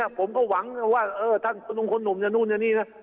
ผมก็หวังว่าท่านหนุ่มอย่างนู้นอย่างนี้นะ